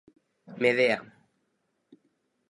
Medea.